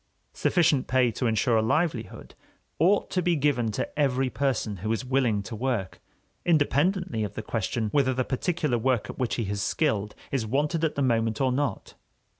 Sufficient pay to ensure a livelihood ought to be given to every person who is willing to work, independently of the question whether the particular work at which he is skilled is wanted at the moment or not.